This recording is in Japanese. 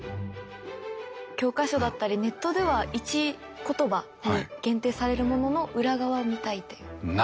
教科書だったりネットでは１言葉に限定されるものの裏側を見たいということです。